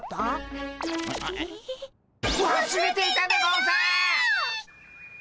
わすれていたでゴンス！